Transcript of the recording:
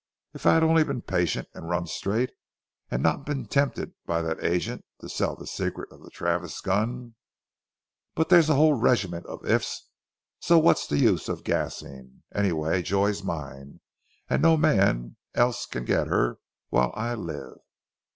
If I'd only been patient, and run straight, and not been tempted by that agent to sell the secret of the Travis gun but there's a whole regiment of 'if's' so what's the use of gassing? Anyway, Joy's mine and no man else can get her while I live."